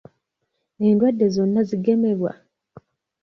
Endwadde zonna zigemebwa?